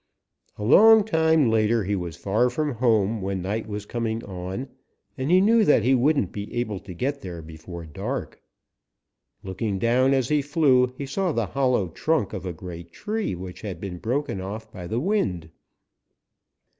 "A long time later he was far from home when night was coming on, and he knew that he wouldn't be able to get there before dark. Looking down as he flew, he saw the hollow trunk of a great tree which had been broken off by the wind.